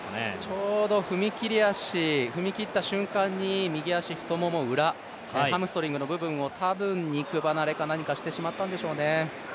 ちょうど踏み切った瞬間に、右足太もも裏、ハムストリングの部分を多分肉離れか何かしてしまったんでしょうね。